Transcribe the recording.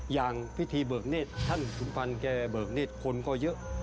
อย่างพิธีเบิกเนธท่านสุมพันธ์แกเบิกเนธคนก็เยอะ